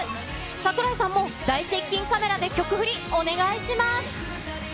櫻井さんも大接近カメラで曲フリお願いします。